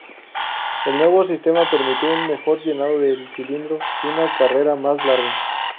El nuevo sistema permitió un mejor llenado del cilindro y una carrera más larga.